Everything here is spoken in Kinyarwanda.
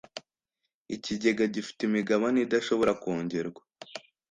ikigega gifite imigabane idashobora kongerwa.